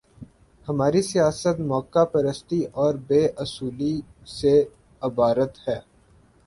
ہماری سیاست موقع پرستی اور بے اصولی سے عبارت ہے۔